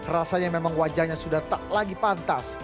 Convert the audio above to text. rasanya memang wajahnya sudah tak lagi pantas